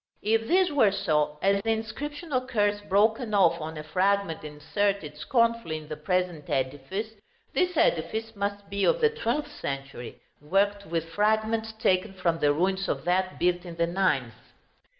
If this were so, as the inscription occurs broken off on a fragment inserted scornfully in the present edifice, this edifice must be of the twelfth century, worked with fragments taken from the ruins of that built in the ninth.